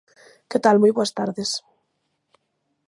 Que tal moi boas tardes.